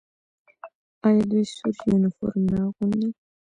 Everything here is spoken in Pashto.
آیا دوی سور یونیفورم نه اغوندي؟